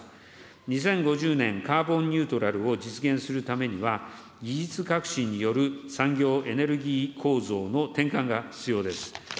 ２０５０年カーボンニュートラルを実現するためには、技術革新による産業エネルギー構造の転換が必要です。